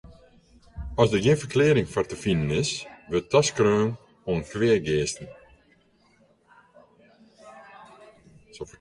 Alles dêr't gjin ferklearring foar te finen is, wurdt taskreaun oan kweageasten.